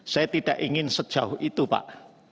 saya tidak ingin sejauh itu pak